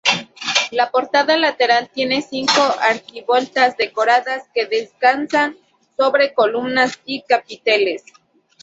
La portada lateral tiene cinco arquivoltas decoradas que descansan sobre columnas y capiteles.